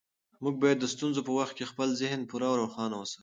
موږ باید د ستونزو په وخت کې خپل ذهن پوره روښانه وساتو.